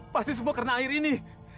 pasti semua kena air ini